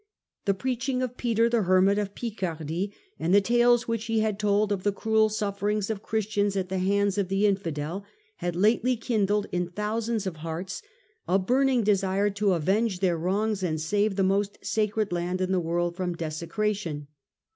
The Digitized by VjOOQIC 168 HlLDBBHAND preaching of Peter the hermit of Picardy, and tiie tales which he had told of the cruel sufferings of Christians at the hands of the infidel, had lately kindled in thousands of hearts a burning desire to avenge their wrongs and save the most sacred land in the world from desecration.